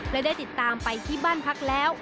และได้ติดตามไปบ้านคาดพักแล้ว